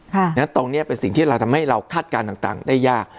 เพราะฉะนั้นตรงนี้เป็นสิ่งที่เราทำให้เราคาดการณ์ต่างได้ยาก